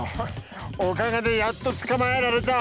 おかげでやっとつかまえられた。